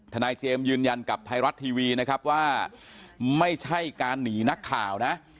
นายเจมส์ยืนยันกับไทยรัฐทีวีนะครับว่าไม่ใช่การหนีนักข่าวนะ